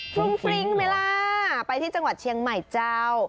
ฟรุ้งฟริ้งไหมล่ะไปที่จังหวัดเชียงใหม่เจ้า